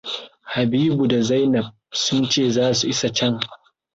Habibu da Zainab sun ce za su isa can.